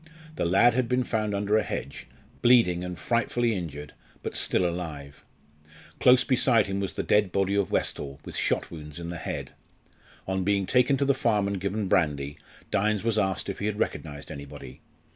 The lad had been found under a hedge, bleeding and frightfully injured, but still alive. Close beside him was the dead body of Westall with shot wounds in the head. On being taken to the farm and given brandy, Dynes was asked if he had recognised anybody.